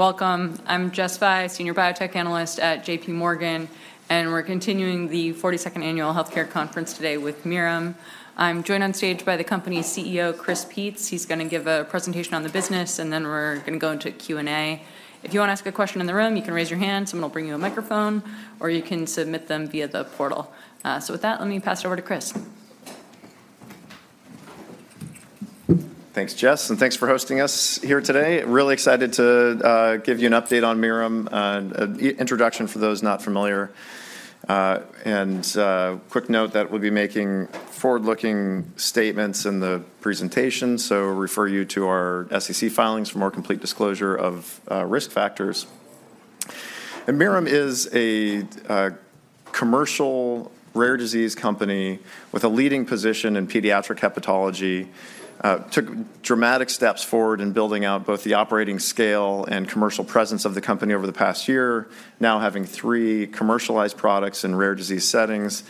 Welcome. I'm Jess Fye, Senior Biotech Analyst at J.P. Morgan, and we're continuing the 42nd annual Healthcare Conference today with Mirum. I'm joined on stage by the company's CEO, Chris Peetz. He's gonna give a presentation on the business, and then we're gonna go into Q&A. If you wanna ask a question in the room, you can raise your hand, someone will bring you a microphone, or you can submit them via the portal. So with that, let me pass it over to Chris. Thanks, Jess, and thanks for hosting us here today. Really excited to give you an update on Mirum, and introduction for those not familiar. Quick note that we'll be making forward-looking statements in the presentation, so refer you to our SEC filings for more complete disclosure of risk factors. Mirum is a commercial rare disease company with a leading position in pediatric hepatology. Took dramatic steps forward in building out both the operating scale and commercial presence of the company over the past year. Now having three commercialized products in rare disease settings,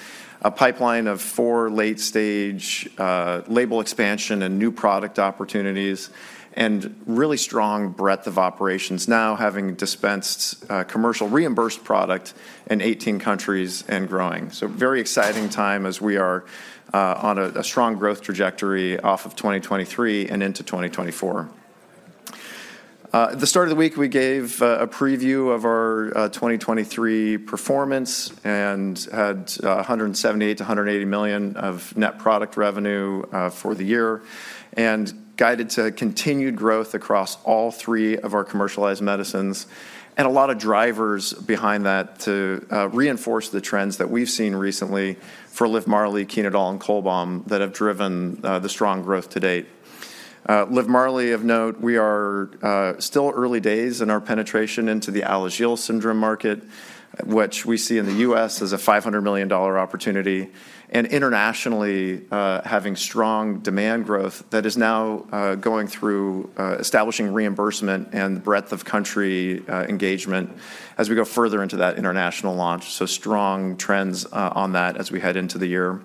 a pipeline of four late-stage label expansion and new product opportunities, and really strong breadth of operations, now having dispensed commercial reimbursed product in 18 countries and growing. So very exciting time as we are on a strong growth trajectory off of 2023 and into 2024. At the start of the week, we gave a preview of our 2023 performance and had $178 million-$180 million of net product revenue for the year, and guided to continued growth across all three of our commercialized medicines. And a lot of drivers behind that to reinforce the trends that we've seen recently for LIVMARLI, CHENODAL, and CHOLBAM that have driven the strong growth to date. LIVMARLI, of note, we are still early days in our penetration into the Alagille syndrome market, which we see in the US as a $500 million opportunity, and internationally, having strong demand growth that is now going through establishing reimbursement and breadth of country engagement as we go further into that international launch. So strong trends on that as we head into the year,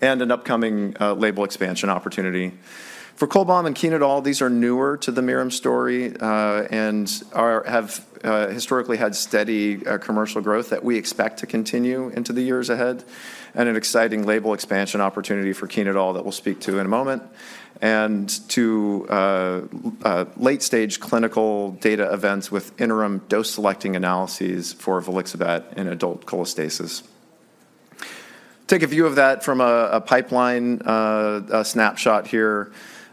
and an upcoming label expansion opportunity. For CHOLBAM and CHENODAL, these are newer to the Mirum story, and have historically had steady commercial growth that we expect to continue into the years ahead, and an exciting label expansion opportunity for CHENODAL that we'll speak to in a moment, and to late-stage clinical data events with interim dose-selecting analyses for volixibat in adult cholestasis. Take a view of that from a pipeline snapshot here,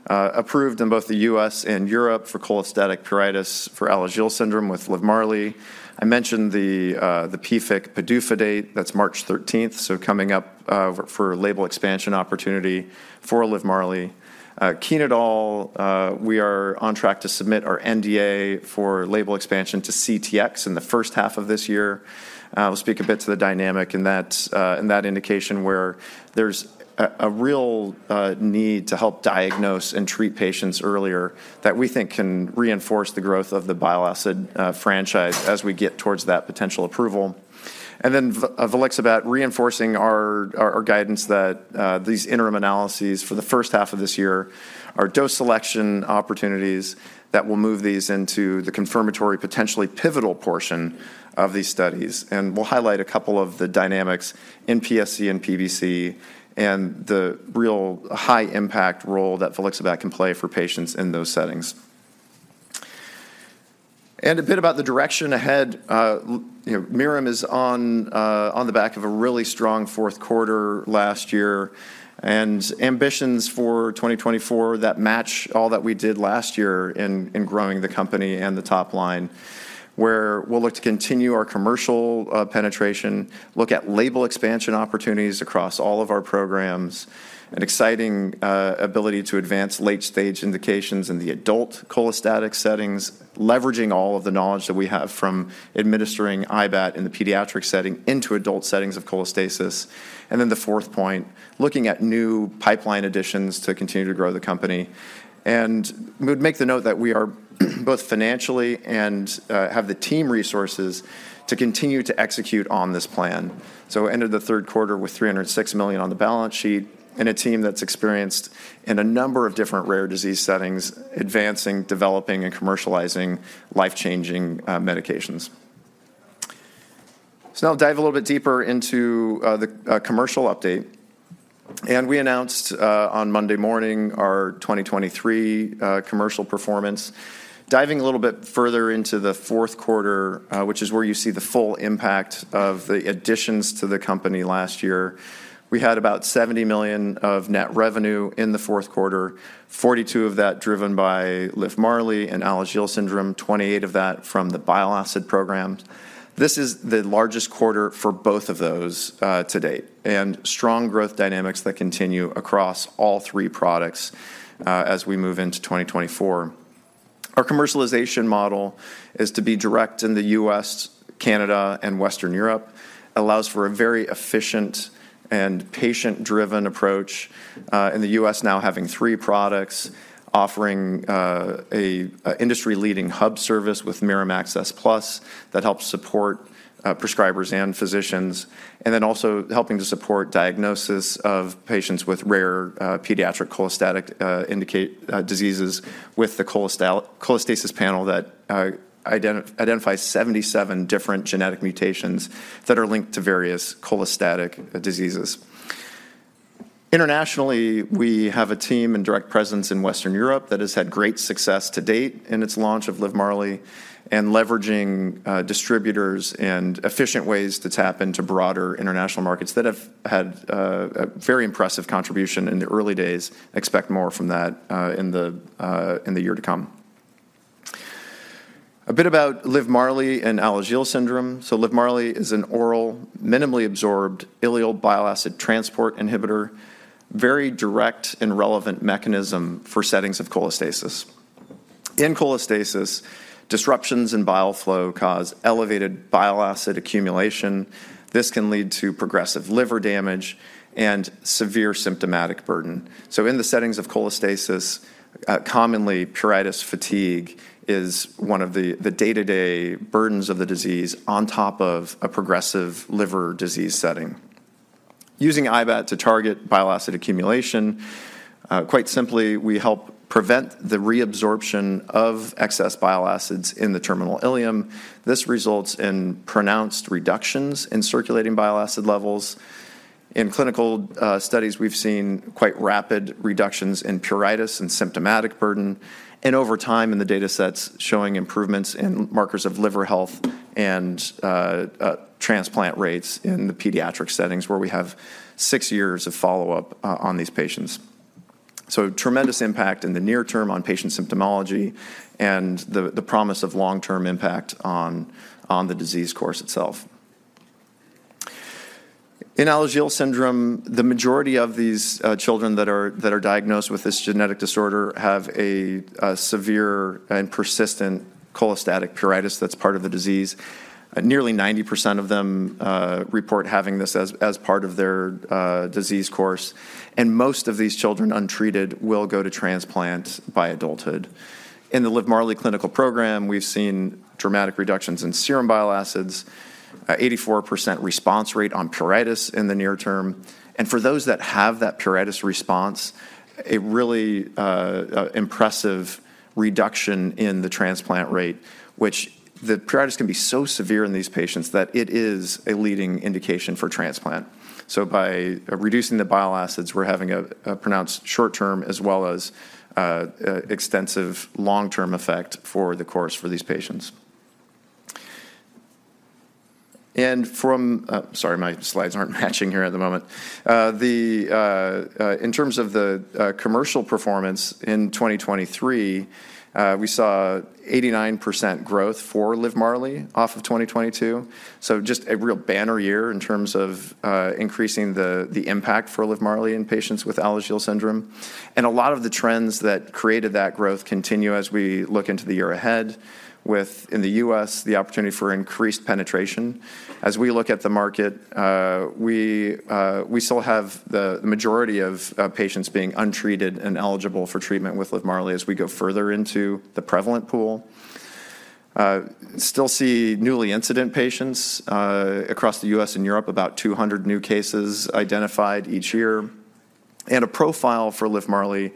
approved in both the U.S. and Europe for cholestatic pruritus for Alagille syndrome with LIVMARLI. I mentioned the PFIC PDUFA date, that's March thirteenth, so coming up, for label expansion opportunity for LIVMARLI. CHENODAL, we are on track to submit our NDA for label expansion to CTX in the first half of this year. We'll speak a bit to the dynamic in that indication, where there's a real need to help diagnose and treat patients earlier, that we think can reinforce the growth of the bile acid franchise as we get towards that potential approval. Then volixibat, reinforcing our guidance that these interim analyses for the first half of this year are dose selection opportunities that will move these into the confirmatory, potentially pivotal portion of these studies. We'll highlight a couple of the dynamics in PSC and PBC, and the real high impact role that volixibat can play for patients in those settings. A bit about the direction ahead, you know, Mirum is on the back of a really strong fourth quarter last year, and ambitions for 2024 that match all that we did last year in growing the company and the top line, where we'll look to continue our commercial penetration, look at label expansion opportunities across all of our programs, an exciting ability to advance late-stage indications in the adult cholestatic settings, leveraging all of the knowledge that we have from administering IBAT in the pediatric setting into adult settings of cholestasis. And then the fourth point, looking at new pipeline additions to continue to grow the company. And we'd make the note that we are both financially and have the team resources to continue to execute on this plan. So we ended the third quarter with $306 million on the balance sheet, and a team that's experienced in a number of different rare disease settings, advancing, developing, and commercializing life-changing medications. So now dive a little bit deeper into the commercial update, and we announced on Monday morning, our 2023 commercial performance. Diving a little bit further into the fourth quarter, which is where you see the full impact of the additions to the company last year, we had about $70 million of net revenue in the fourth quarter, $42 million of that driven by LIVMARLI and Alagille syndrome, $28 million of that from the bile acid programs. This is the largest quarter for both of those to date, and strong growth dynamics that continue across all three products as we move into 2024. Our commercialization model is to be direct in the U.S., Canada, and Western Europe. Allows for a very efficient and patient-driven approach, in the U.S. now having three products, offering, a, a industry-leading hub service with Mirum Access Plus that helps support, prescribers and physicians, and then also helping to support diagnosis of patients with rare, pediatric cholestatic diseases with the cholestasis panel that, identifies 77 different genetic mutations that are linked to various cholestatic diseases. Internationally, we have a team and direct presence in Western Europe that has had great success to date in its launch of LIVMARLI, and leveraging, distributors and efficient ways to tap into broader international markets that have had, a very impressive contribution in the early days. Expect more from that, in the, in the year to come. A bit about LIVMARLI and Alagille syndrome. So LIVMARLI is an oral, minimally absorbed ileal bile acid transport inhibitor, very direct and relevant mechanism for settings of cholestasis. In cholestasis, disruptions in bile flow cause elevated bile acid accumulation. This can lead to progressive liver damage and severe symptomatic burden. So in the settings of cholestasis, commonly pruritus, fatigue is one of the day-to-day burdens of the disease on top of a progressive liver disease setting. Using IBAT to target bile acid accumulation, quite simply, we help prevent the reabsorption of excess bile acids in the terminal ileum. This results in pronounced reductions in circulating bile acid levels. In clinical studies, we've seen quite rapid reductions in pruritus and symptomatic burden, and over time in the datasets showing improvements in markers of liver health and transplant rates in the pediatric settings, where we have six years of follow-up on these patients. So tremendous impact in the near term on patient symptomology and the promise of long-term impact on the disease course itself. In Alagille syndrome, the majority of these children that are diagnosed with this genetic disorder have a severe and persistent cholestatic pruritus that's part of the disease. Nearly 90% of them report having this as part of their disease course, and most of these children untreated will go to transplant by adulthood. In the LIVMARLI clinical program, we've seen dramatic reductions in serum bile acids, 84% response rate on pruritus in the near term, and for those that have that pruritus response, a really impressive reduction in the transplant rate, which the pruritus can be so severe in these patients that it is a leading indication for transplant. So by reducing the bile acids, we're having a pronounced short-term as well as extensive long-term effect for the course for these patients. Sorry, my slides aren't matching here at the moment. In terms of the commercial performance in 2023, we saw 89% growth for LIVMARLI off of 2022. So just a real banner year in terms of increasing the impact for LIVMARLI in patients with Alagille syndrome. A lot of the trends that created that growth continue as we look into the year ahead, with in the US the opportunity for increased penetration. As we look at the market, we still have the majority of patients being untreated and eligible for treatment with LIVMARLI as we go further into the prevalent pool. Still see newly incident patients across the US and Europe, about 200 new cases identified each year, and a profile for LIVMARLI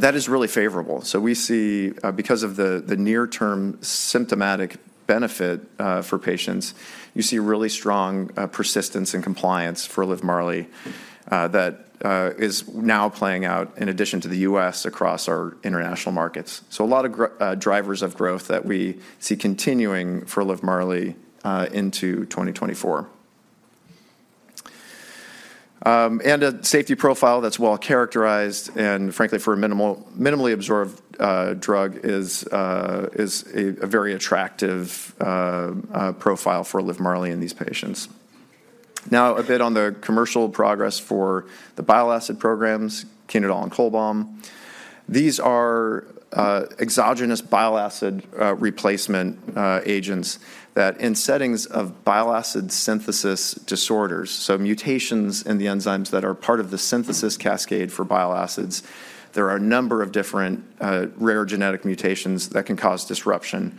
that is really favorable. So we see because of the near-term symptomatic benefit for patients, you see really strong persistence and compliance for LIVMARLI that is now playing out in addition to the US, across our international markets. So a lot of drivers of growth that we see continuing for LIVMARLI into 2024. And a safety profile that's well characterized, and frankly, for a minimally absorbed drug, is a very attractive profile for LIVMARLI in these patients. Now, a bit on the commercial progress for the bile acid programs, CHENODAL and CHOLBAM. These are exogenous bile acid replacement agents that in settings of bile acid synthesis disorders, so mutations in the enzymes that are part of the synthesis cascade for bile acids, there are a number of different rare genetic mutations that can cause disruption.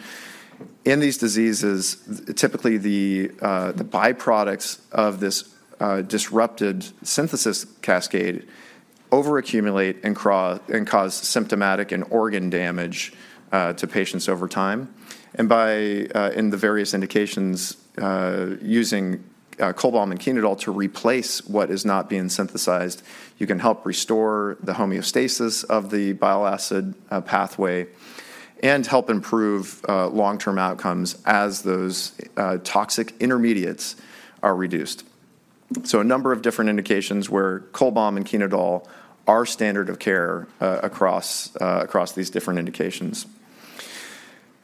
In these diseases, typically the byproducts of this disrupted synthesis cascade overaccumulate and cause symptomatic and organ damage to patients over time. And by in the various indications using CHOLBAM and CHENODAL to replace what is not being synthesized, you can help restore the homeostasis of the bile acid pathway and help improve long-term outcomes as those toxic intermediates are reduced. So a number of different indications where CHOLBAM and CHENODAL are standard of care across these different indications.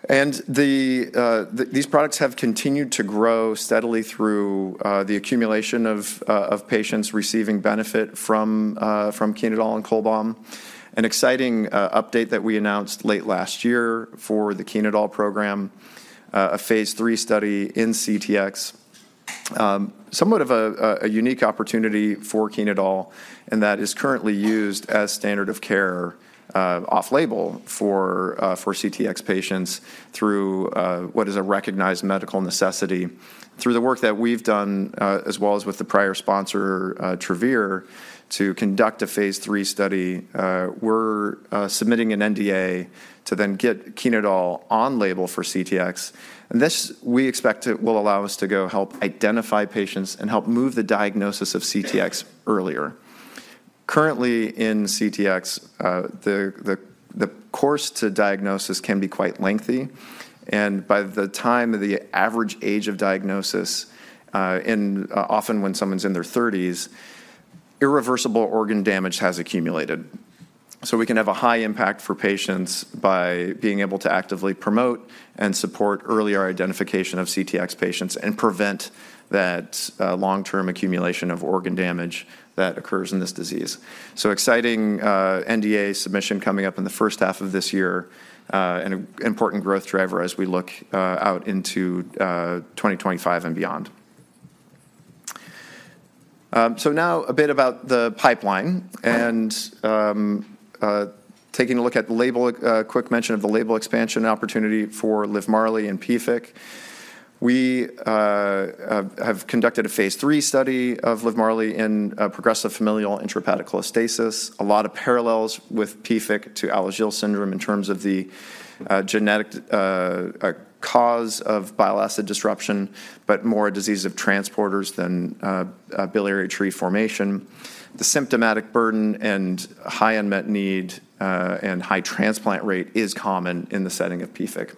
And these products have continued to grow steadily through the accumulation of patients receiving benefit from CHENODAL and CHOLBAM. An exciting update that we announced late last year for the CHENODAL program, a phase III study in CTX. Somewhat of a unique opportunity for CHENODAL, and that is currently used as standard of care off-label for CTX patients through what is a recognized medical necessity. Through the work that we've done, as well as with the prior sponsor, Travere, to conduct a phase III study, we're submitting an NDA to then get CHENODAL on-label for CTX, and this, we expect it will allow us to go help identify patients and help move the diagnosis of CTX earlier. Currently in CTX, the course to diagnosis can be quite lengthy, and by the time of the average age of diagnosis, often when someone's in their thirties, irreversible organ damage has accumulated. So we can have a high impact for patients by being able to actively promote and support earlier identification of CTX patients and prevent that long-term accumulation of organ damage that occurs in this disease. So exciting, NDA submission coming up in the first half of this year, and an important growth driver as we look out into 2025 and beyond. So now a bit about the pipeline and taking a look at label expansion opportunity for LIVMARLI and PFIC. We have conducted a phase III study of LIVMARLI in progressive familial intrahepatic cholestasis. A lot of parallels with PFIC to Alagille syndrome in terms of the genetic cause of bile acid disruption, but more a disease of transporters than biliary tree formation. The symptomatic burden and high unmet need and high transplant rate is common in the setting of PFIC.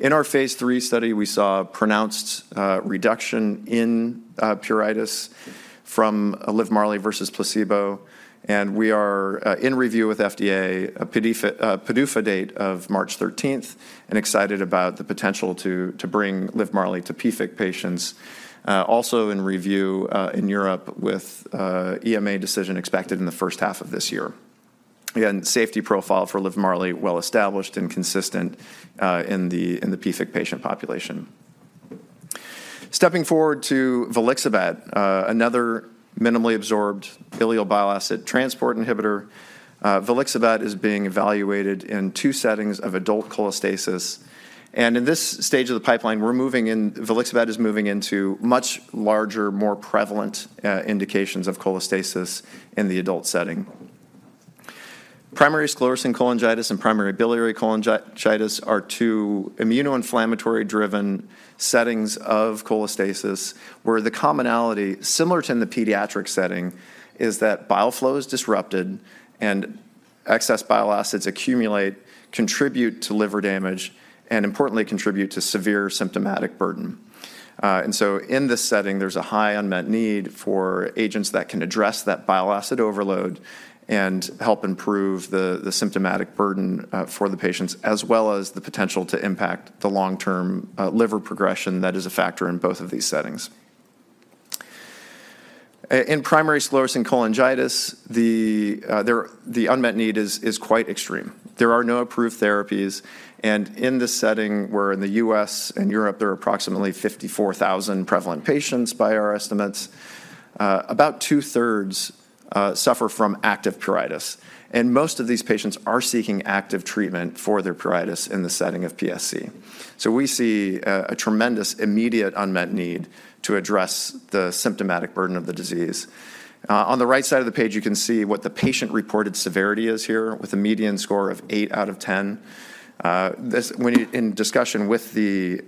In our phase III study, we saw a pronounced reduction in pruritus from LIVMARLI versus placebo, and we are in review with FDA, a PDUFA date of March 13, and excited about the potential to bring LIVMARLI to PFIC patients. Also in review in Europe with EMA decision expected in the first half of this year. Again, safety profile for LIVMARLI well established and consistent in the PFIC patient population. Stepping forward to Volixibat, another minimally absorbed ileal bile acid transport inhibitor. Volixibat is being evaluated in two settings of adult cholestasis, and in this stage of the pipeline, we're moving in. Volixibat is moving into much larger, more prevalent indications of cholestasis in the adult setting. Primary sclerosing cholangitis and primary biliary cholangitis are two immunoinflammatory-driven settings of cholestasis, where the commonality, similar to in the pediatric setting, is that bile flow is disrupted and excess bile acids accumulate, contribute to liver damage, and importantly, contribute to severe symptomatic burden. And so in this setting, there's a high unmet need for agents that can address that bile acid overload and help improve the symptomatic burden for the patients, as well as the potential to impact the long-term liver progression that is a factor in both of these settings. In primary sclerosing cholangitis, the unmet need is quite extreme. There are no approved therapies, and in this setting, where in the U.S. and Europe, there are approximately 54,000 prevalent patients by our estimates, about two-thirds suffer from active pruritus. Most of these patients are seeking active treatment for their pruritus in the setting of PSC. So we see a tremendous immediate unmet need to address the symptomatic burden of the disease. On the right side of the page, you can see what the patient-reported severity is here, with a median score of eight out of ten. This, in discussion with the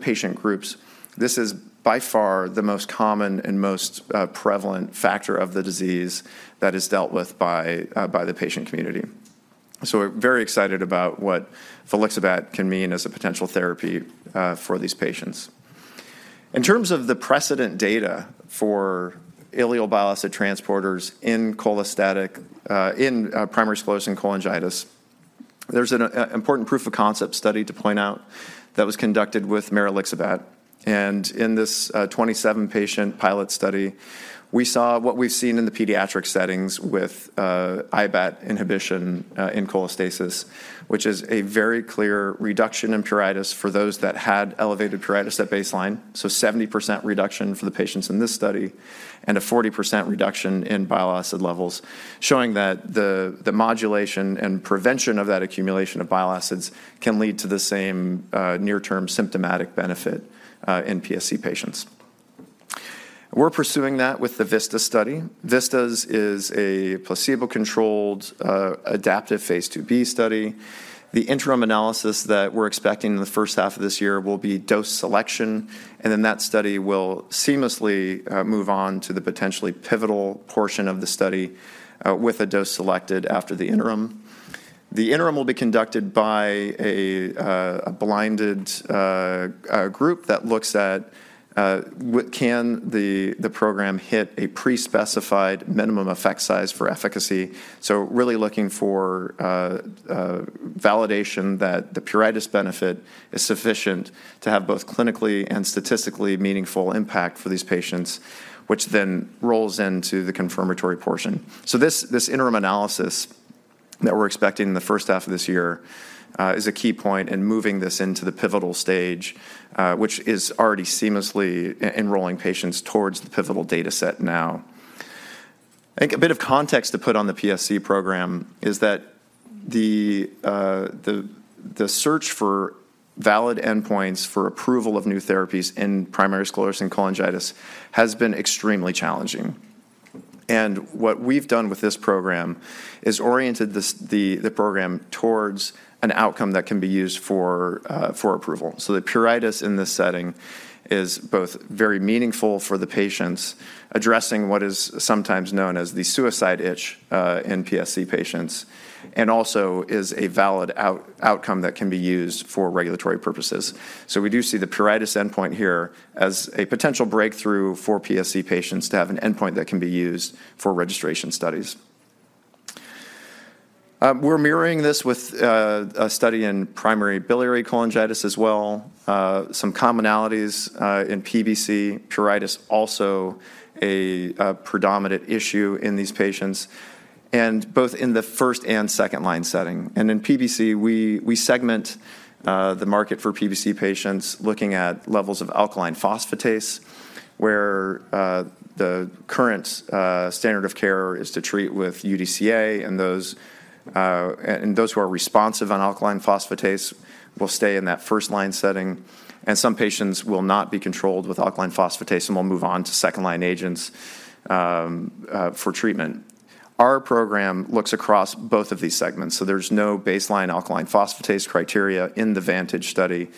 patient groups, this is by far the most common and most prevalent factor of the disease that is dealt with by the patient community. So we're very excited about what volixibat can mean as a potential therapy for these patients. In terms of the precedent data for ileal bile acid transporters in cholestatic in primary sclerosing cholangitis, there's an important proof of concept study to point out that was conducted with maralixibat. In this 27-patient pilot study, we saw what we've seen in the pediatric settings with IBAT inhibition in cholestasis, which is a very clear reduction in pruritus for those that had elevated pruritus at baseline. So 70% reduction for the patients in this study and a 40% reduction in bile acid levels, showing that the modulation and prevention of that accumulation of bile acids can lead to the same near-term symptomatic benefit in PSC patients. We're pursuing that with the VISTAS study. VISTAS is a placebo-controlled adaptive phase IIb study. The interim analysis that we're expecting in the first half of this year will be dose selection, and then that study will seamlessly move on to the potentially pivotal portion of the study with a dose selected after the interim. The interim will be conducted by a blinded group that looks at what can the program hit a pre-specified minimum effect size for efficacy? So really looking for validation that the pruritus benefit is sufficient to have both clinically and statistically meaningful impact for these patients, which then rolls into the confirmatory portion. So this interim analysis that we're expecting in the first half of this year is a key point in moving this into the pivotal stage, which is already seamlessly enrolling patients towards the pivotal dataset now. I think a bit of context to put on the PSC program is that the search for valid endpoints for approval of new therapies in primary sclerosing cholangitis has been extremely challenging. What we've done with this program is oriented this, the program towards an outcome that can be used for approval. So the pruritus in this setting is both very meaningful for the patients, addressing what is sometimes known as the suicide itch in PSC patients, and also is a valid outcome that can be used for regulatory purposes. So we do see the pruritus endpoint here as a potential breakthrough for PSC patients to have an endpoint that can be used for registration studies. We're mirroring this with a study in primary biliary cholangitis as well. Some commonalities in PBC, pruritus also a predominant issue in these patients, and both in the first- and second-line setting. In PBC, we segment the market for PBC patients looking at levels of alkaline phosphatase, where the current standard of care is to treat with UDCA, and those who are responsive on alkaline phosphatase will stay in that first-line setting, and some patients will not be controlled with alkaline phosphatase and will move on to second-line agents for treatment. Our program looks across both of these segments, so there's no baseline alkaline phosphatase criteria in the VANTAGE study,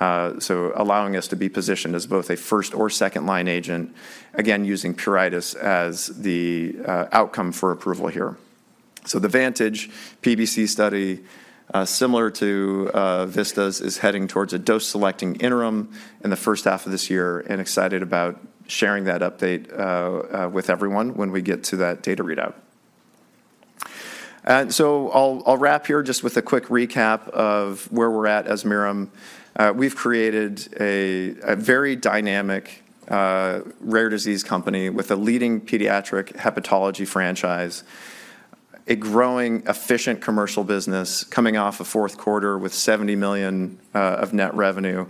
so allowing us to be positioned as both a first or second-line agent, again, using pruritus as the outcome for approval here. So the VANTAGE PBC study, similar to VISTAS, is heading towards a dose-selecting interim in the first half of this year, and excited about sharing that update with everyone when we get to that data readout. And so I'll wrap here just with a quick recap of where we're at as Mirum. We've created a very dynamic rare disease company with a leading pediatric hepatology franchise, a growing efficient commercial business coming off a fourth quarter with $70 million of net revenue,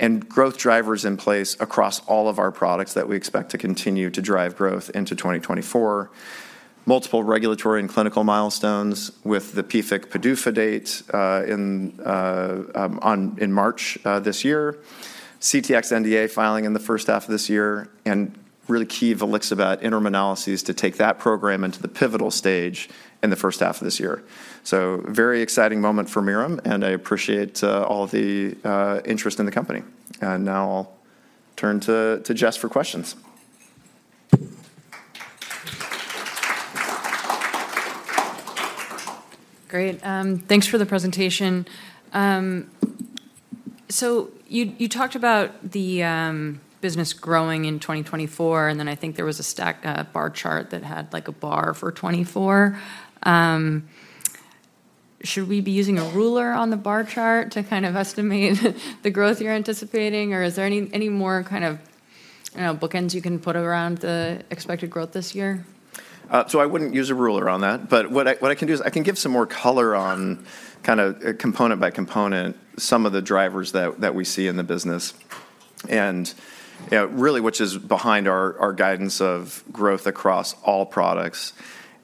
and growth drivers in place across all of our products that we expect to continue to drive growth into 2024. Multiple regulatory and clinical milestones with the PFIC PDUFA date in March this year. CTX NDA filing in the first half of this year, and really key volixibat interim analyses to take that program into the pivotal stage in the first half of this year. So very exciting moment for Mirum, and I appreciate all the interest in the company. And now I'll turn to Jess for questions. Great. Thanks for the presentation. So you, you talked about the, business growing in 2024, and then I think there was a stack, a bar chart that had, like, a bar for 2024. Should we be using a ruler on the bar chart to kind of estimate the growth you're anticipating, or is there any, any more kind of, you know, bookends you can put around the expected growth this year? So I wouldn't use a ruler on that, but what I can do is I can give some more color on kinda component by component, some of the drivers that we see in the business, and, you know, really, which is behind our guidance of growth across all products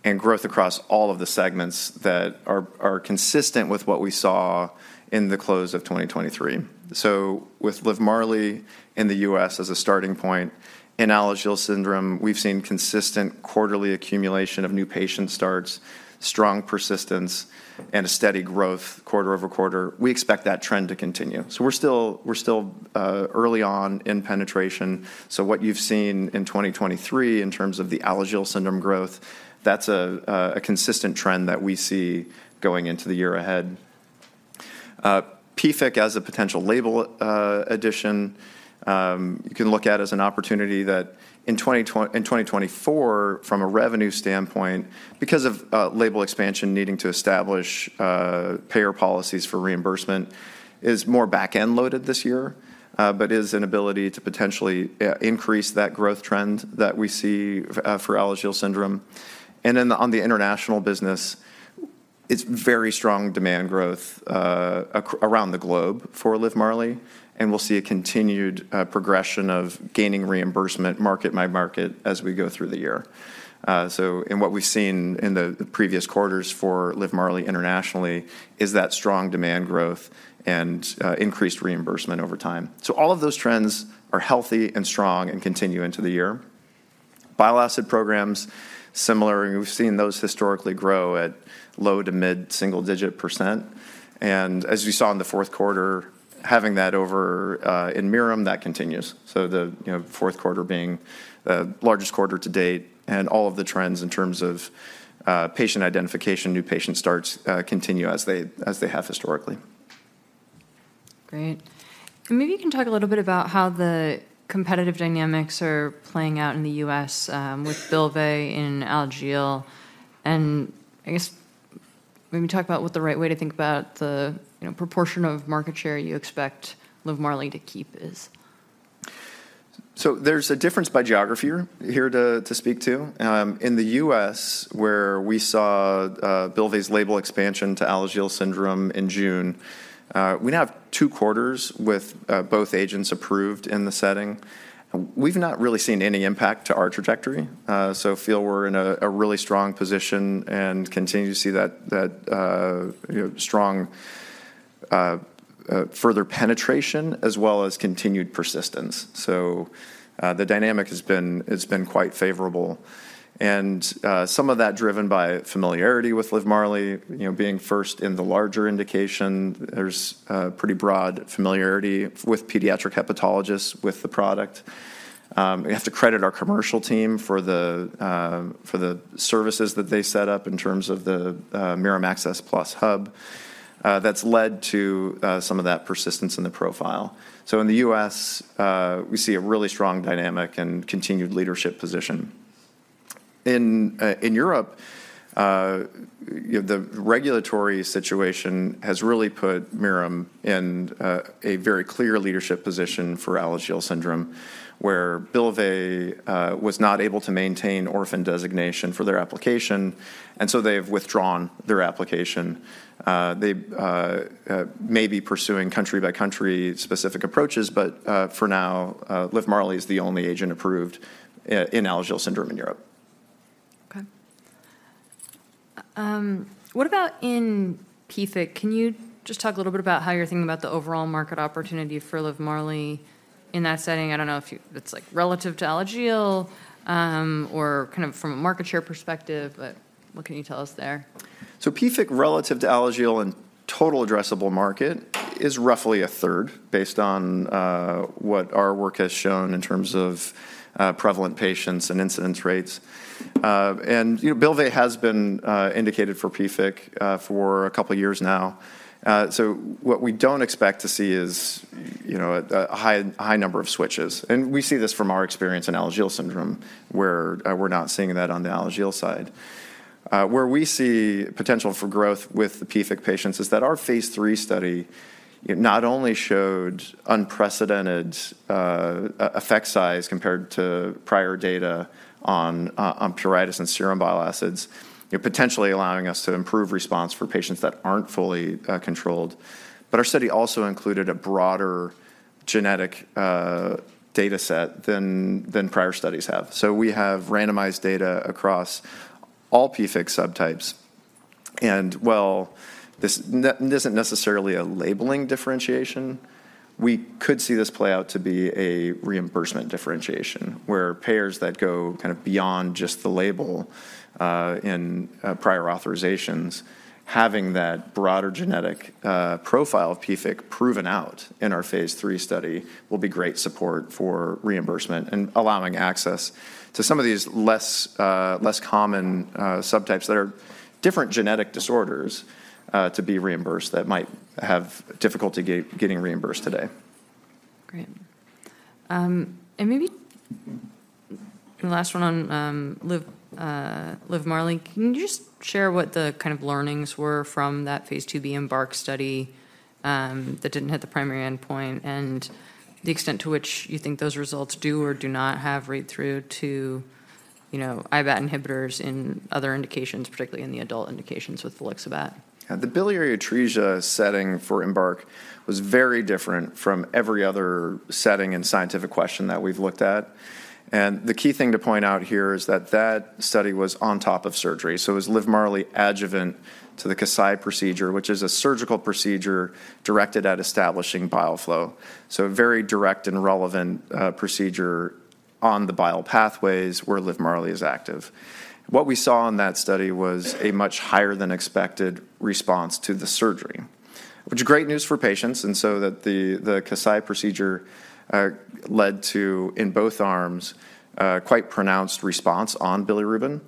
and growth across all of the segments that are consistent with what we saw in the close of 2023. So with LIVMARLI in the U.S. as a starting point, in Alagille syndrome, we've seen consistent quarterly accumulation of new patient starts, strong persistence, and a steady growth quarter-over-quarter. We expect that trend to continue. So we're still early on in penetration, so what you've seen in 2023 in terms of the Alagille syndrome growth, that's a consistent trend that we see going into the year ahead. PFIC as a potential label addition, you can look at as an opportunity that in 2024, from a revenue standpoint, because of label expansion needing to establish payer policies for reimbursement, is more back-end loaded this year, but is an ability to potentially increase that growth trend that we see for Alagille syndrome. And then on the international business, it's very strong demand growth around the globe for LIVMARLI, and we'll see a continued progression of gaining reimbursement market by market as we go through the year. So and what we've seen in the previous quarters for LIVMARLI internationally is that strong demand growth and increased reimbursement over time. So all of those trends are healthy and strong and continue into the year. Bile acid programs, similar, we've seen those historically grow at low- to mid-single-digit %. And as you saw in the fourth quarter, having that over in Mirum, that continues, so the, you know, fourth quarter being the largest quarter to date and all of the trends in terms of patient identification, new patient starts, continue as they have historically. Great. Maybe you can talk a little bit about how the competitive dynamics are playing out in the US, with Bylvay in Alagille. And I guess maybe talk about what the right way to think about the, you know, proportion of market share you expect LIVMARLI to keep is. So there's a difference by geography here to speak to. In the U.S., where we saw Bylvay's label expansion to Alagille syndrome in June, we now have two quarters with both agents approved in the setting. We've not really seen any impact to our trajectory, so feel we're in a really strong position and continue to see that you know strong further penetration as well as continued persistence. So the dynamic has been, it's been quite favorable, and some of that driven by familiarity with LIVMARLI, you know, being first in the larger indication, there's pretty broad familiarity with pediatric hepatologists with the product. We have to credit our commercial team for the services that they set up in terms of the Mirum Access Plus hub. That's led to some of that persistence in the profile. So in the U.S., we see a really strong dynamic and continued leadership position. In Europe, you know, the regulatory situation has really put Mirum in a very clear leadership position for Alagille syndrome, where Bylvay was not able to maintain orphan designation for their application, and so they have withdrawn their application. They may be pursuing country-by-country specific approaches, but for now, LIVMARLI is the only agent approved in Alagille syndrome in Europe. Okay. What about in PFIC? Can you just talk a little bit about how you're thinking about the overall market opportunity for LIVMARLI in that setting? I don't know, it's like relative to Alagille, or kind of from a market share perspective, but what can you tell us there? So PFIC relative to Alagille in total addressable market is roughly a third, based on what our work has shown in terms of prevalent patients and incidence rates. You know, Bylvay has been indicated for PFIC for a couple of years now. So what we don't expect to see is, you know, a high number of switches, and we see this from our experience in Alagille syndrome, where we're not seeing that on the Alagille side. Where we see potential for growth with the PFIC patients is that our phase III study, it not only showed unprecedented effect size compared to prior data on pruritus and serum bile acids, you know, potentially allowing us to improve response for patients that aren't fully controlled. But our study also included a broader genetic data set than prior studies have. So we have randomized data across all PFIC subtypes, and while this isn't necessarily a labeling differentiation, we could see this play out to be a reimbursement differentiation, where payers that go kind of beyond just the label in prior authorizations, having that broader genetic profile of PFIC proven out in our phase III study will be great support for reimbursement and allowing access to some of these less common subtypes that are different genetic disorders to be reimbursed that might have difficulty getting reimbursed today. Great. And maybe the last one on LIVMARLI. Can you just share what the kind of learnings were from that Phase IIB EMBARK study that didn't hit the primary endpoint, and the extent to which you think those results do or do not have read-through to, you know, IBAT inhibitors in other indications, particularly in the adult indications with volixibat? Yeah, the biliary atresia setting for EMBARK was very different from every other setting and scientific question that we've looked at. And the key thing to point out here is that that study was on top of surgery, so it was LIVMARLI adjuvant to the Kasai procedure, which is a surgical procedure directed at establishing bile flow. So a very direct and relevant procedure on the bile pathways where LIVMARLI is active. What we saw in that study was a much higher than expected response to the surgery, which is great news for patients, and so the Kasai procedure led to, in both arms, quite pronounced response on bilirubin.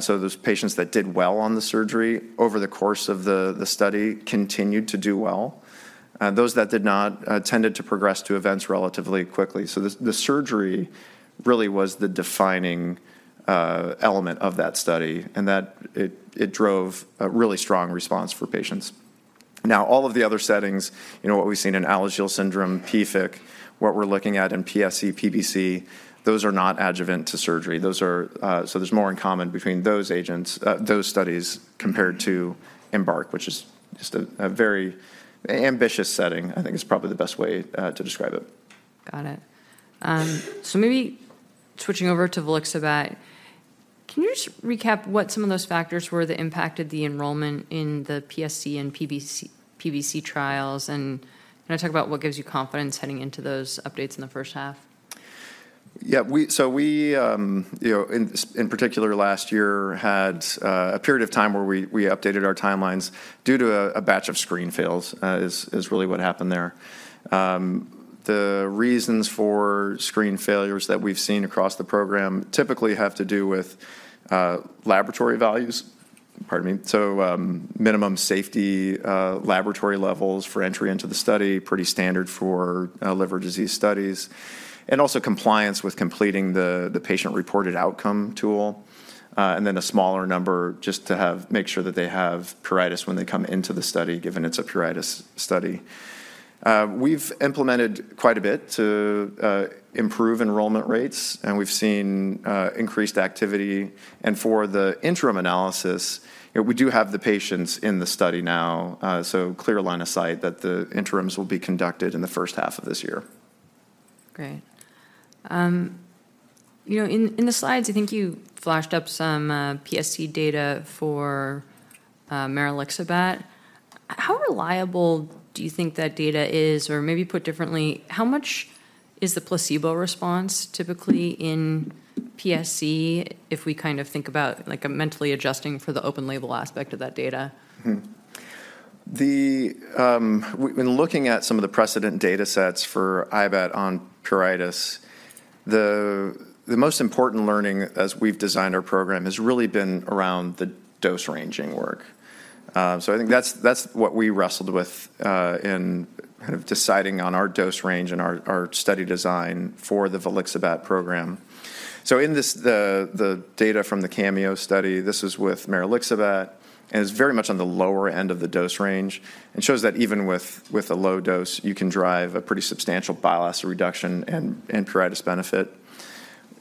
So those patients that did well on the surgery over the course of the study continued to do well, those that did not tended to progress to events relatively quickly. So the surgery really was the defining element of that study, and it drove a really strong response for patients. Now, all of the other settings, you know, what we've seen in Alagille syndrome, PFIC, what we're looking at in PSC, PBC, those are not adjuvant to surgery. Those are so there's more in common between those agents, those studies compared to EMBARK, which is just a very ambitious setting, I think is probably the best way to describe it. Got it. So maybe switching over to volixibat, can you just recap what some of those factors were that impacted the enrollment in the PSC and PBC, PBC trials, and, you know, talk about what gives you confidence heading into those updates in the first half? Yeah, so we, you know, in particular, last year had a period of time where we updated our timelines due to a batch of screen fails, is really what happened there. The reasons for screen failures that we've seen across the program typically have to do with laboratory values. Pardon me. So, minimum safety laboratory levels for entry into the study, pretty standard for liver disease studies, and also compliance with completing the patient-reported outcome tool, and then a smaller number just to make sure that they have pruritus when they come into the study, given it's a pruritus study. We've implemented quite a bit to improve enrollment rates, and we've seen increased activity. For the interim analysis, you know, we do have the patients in the study now, so clear line of sight that the interims will be conducted in the first half of this year.... Great. You know, in the slides, I think you flashed up some PSC data for maralixibat. How reliable do you think that data is? Or maybe put differently, how much is the placebo response typically in PSC if we kind of think about, like, a mentally adjusting for the open label aspect of that data? The, we've been looking at some of the precedent datasets for IBAT on pruritus. The most important learning as we've designed our program has really been around the dose-ranging work. So I think that's what we wrestled with in kind of deciding on our dose range and our study design for the volixibat program. So in this, the data from the CAMEO study, this is with maralixibat, and it's very much on the lower end of the dose range, and shows that even with a low dose, you can drive a pretty substantial bile acid reduction and pruritus benefit.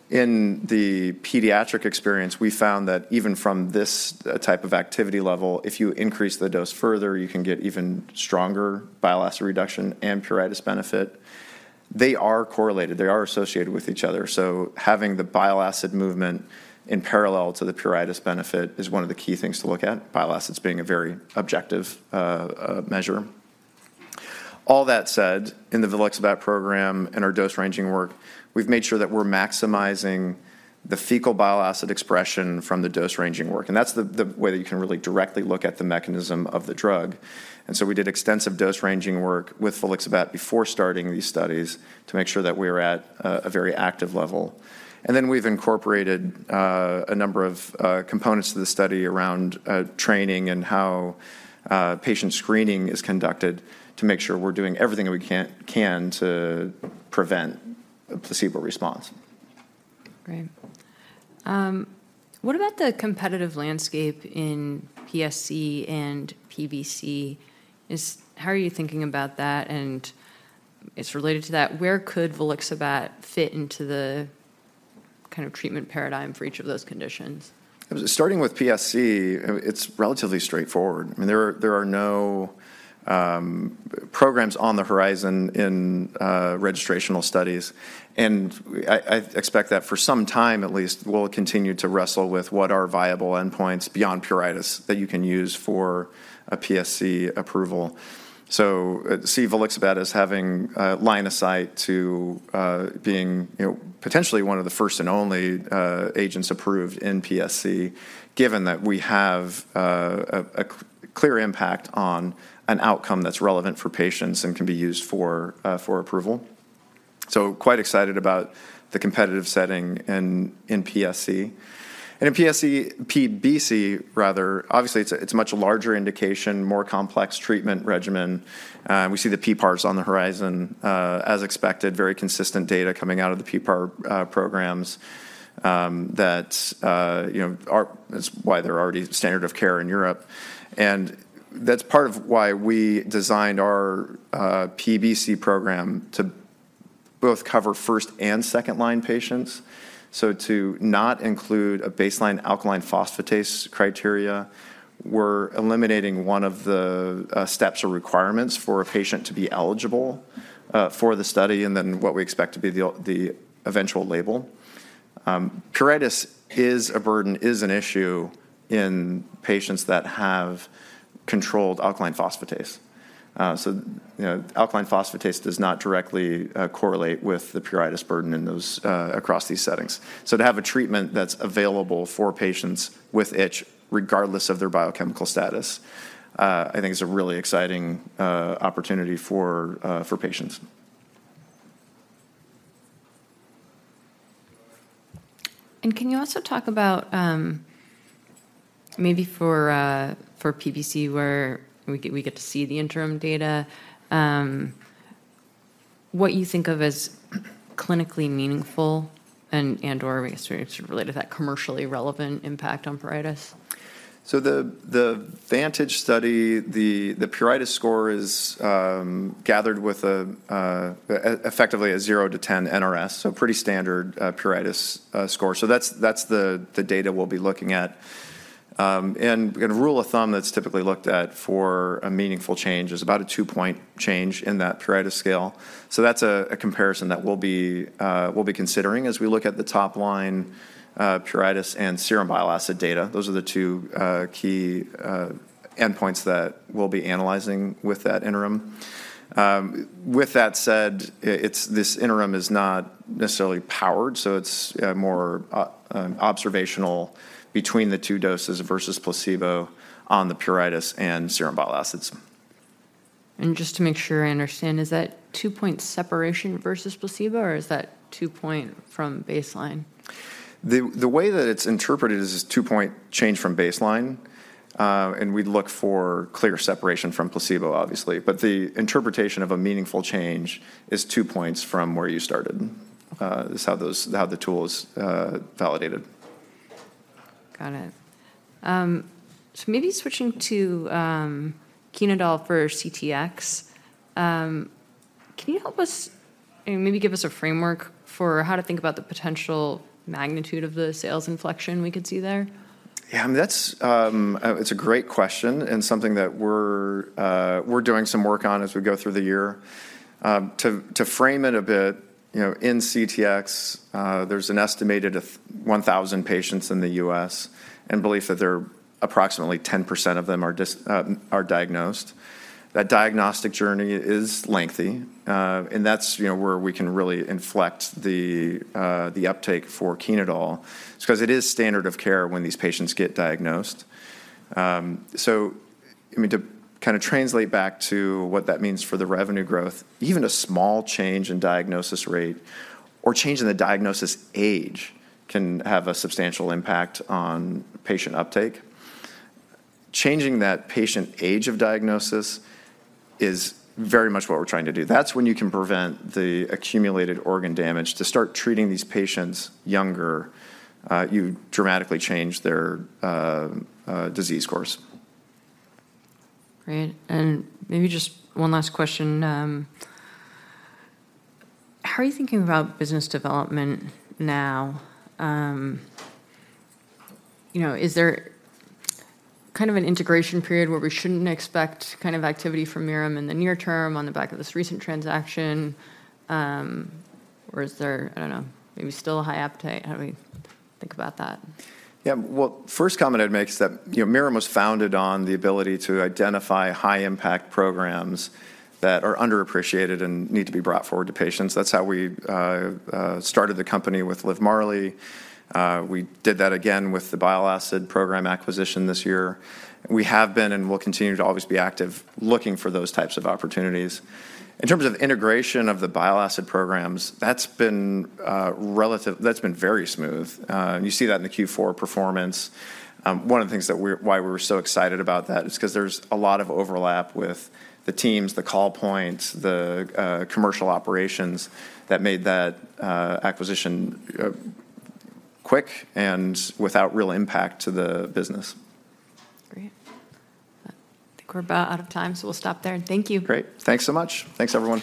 In the pediatric experience, we found that even from this type of activity level, if you increase the dose further, you can get even stronger bile acid reduction and pruritus benefit. They are correlated. They are associated with each other, so having the bile acid movement in parallel to the pruritus benefit is one of the key things to look at, bile acids being a very objective measure. All that said, in the volixibat program and our dose-ranging work, we've made sure that we're maximizing the fecal bile acid expression from the dose-ranging work, and that's the way that you can really directly look at the mechanism of the drug. And so we did extensive dose-ranging work with volixibat before starting these studies to make sure that we're at a very active level. And then we've incorporated a number of components to the study around training and how patient screening is conducted to make sure we're doing everything that we can to prevent a placebo response. Great. What about the competitive landscape in PSC and PBC? How are you thinking about that? And as related to that, where could volixibat fit into the kind of treatment paradigm for each of those conditions? Starting with PSC, it's relatively straightforward. I mean, there are no programs on the horizon in registrational studies, and I expect that for some time at least, we'll continue to wrestle with what are viable endpoints beyond pruritus that you can use for a PSC approval. So I see volixibat as having a line of sight to being, you know, potentially one of the first and only agents approved in PSC, given that we have a clear impact on an outcome that's relevant for patients and can be used for approval. So quite excited about the competitive setting in PSC. And in PSC... PBC, rather, obviously, it's a much larger indication, more complex treatment regimen. We see the PPARs on the horizon. As expected, very consistent data coming out of the PPAR programs that, you know, that's why they're already standard of care in Europe. That's part of why we designed our PBC program to both cover first and second-line patients. So to not include a baseline alkaline phosphatase criteria, we're eliminating one of the steps or requirements for a patient to be eligible for the study, and then what we expect to be the eventual label. Pruritus is a burden, is an issue in patients that have controlled alkaline phosphatase. So, you know, alkaline phosphatase does not directly correlate with the pruritus burden in those across these settings. So to have a treatment that's available for patients with itch, regardless of their biochemical status, I think is a really exciting opportunity for patients. Can you also talk about maybe for PBC, where we get to see the interim data, what you think of as clinically meaningful and/or I guess related to that commercially relevant impact on pruritus? So the VANTAGE study, the pruritus score is gathered with a effectively a 0-10 NRS, so pretty standard pruritus score. So that's the data we'll be looking at. And a rule of thumb that's typically looked at for a meaningful change is about a 2-point change in that pruritus scale. So that's a comparison that we'll be considering as we look at the top-line pruritus and serum bile acid data. Those are the two key endpoints that we'll be analyzing with that interim. With that said, it's this interim is not necessarily powered, so it's more observational between the two doses versus placebo on the pruritus and serum bile acids. Just to make sure I understand, is that 2-point separation versus placebo, or is that 2-point from baseline? The way that it's interpreted is this 2-point change from baseline, and we'd look for clear separation from placebo, obviously. But the interpretation of a meaningful change is 2 points from where you started. Okay. That's how the tool is validated. Got it. So maybe switching to CHENODAL for CTX, can you help us, maybe give us a framework for how to think about the potential magnitude of the sales inflection we could see there?... Yeah, I mean, that's, it's a great question and something that we're, we're doing some work on as we go through the year. To, to frame it a bit, you know, in CTX, there's an estimated 1,000 patients in the U.S., and belief that there are approximately 10% of them are diagnosed. That diagnostic journey is lengthy, and that's, you know, where we can really inflect the, the uptake for CHENODAL, because it is standard of care when these patients get diagnosed. So I mean, to kind of translate back to what that means for the revenue growth, even a small change in diagnosis rate or change in the diagnosis age can have a substantial impact on patient uptake. Changing that patient age of diagnosis is very much what we're trying to do. That's when you can prevent the accumulated organ damage. To start treating these patients younger, you dramatically change their disease course. Great. And maybe just one last question, how are you thinking about business development now? You know, is there kind of an integration period where we shouldn't expect kind of activity from Mirum in the near term on the back of this recent transaction? Or is there, I don't know, maybe still a high appetite? How do we think about that? Yeah. Well, first comment I'd make is that, you know, Mirum was founded on the ability to identify high-impact programs that are underappreciated and need to be brought forward to patients. That's how we started the company with LIVMARLI. We did that again with the bile acid program acquisition this year. We have been and will continue to always be active, looking for those types of opportunities. In terms of integration of the bile acid programs, that's been very smooth. You see that in the Q4 performance. One of the things why we were so excited about that is 'cause there's a lot of overlap with the teams, the call points, the commercial operations that made that acquisition quick and without real impact to the business. Great. I think we're about out of time, so we'll stop there, and thank you. Great. Thanks so much. Thanks, everyone.